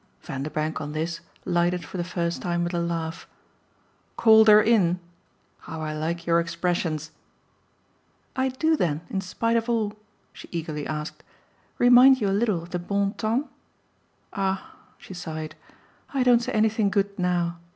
Vanderbank, on this, lighted for the first time with a laugh. "'Called her in'? How I like your expressions!" "I do then, in spite of all," she eagerly asked, "remind you a little of the bon temps? Ah," she sighed, "I don't say anything good now.